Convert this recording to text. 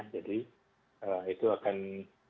jadi itu akan